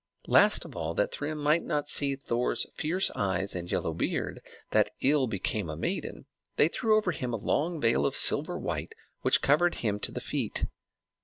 Last of all, that Thrym might not see Thor's fierce eyes and the yellow beard, that ill became a maiden, they threw over him a long veil of silver white which covered him to the feet.